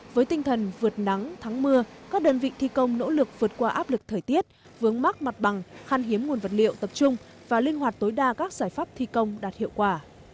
với tinh thần vượt nắng thắng mưa các đơn vị thi công nỗ lực vượt qua áp lực thời tiết vướng mắc mặt bằng khăn hiếm nguồn vật liệu tập trung và linh hoạt tối đa các giải pháp thi công đạt hiệu quả